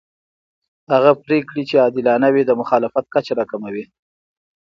هغه پرېکړې چې عادلانه وي د مخالفت کچه راکموي